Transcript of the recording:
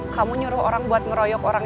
kamu nyuruh orang buat ngeroyok orang